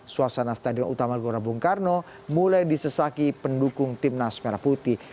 suasana stadion utama gelora bung karno mulai disesaki pendukung timnas merah putih